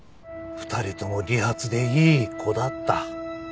２人とも利発でいい子だった。